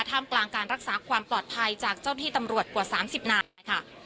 ท่ามกลางการรักษาความปลอดภัยจากเจ้าที่ตำรวจกว่า๓๐นายค่ะ